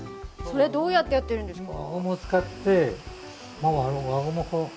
それどうやってやってるんですか。